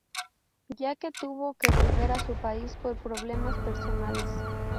Ya que tuvo que volver a su país por problemas personales.